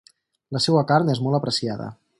La seua carn és molt apreciada.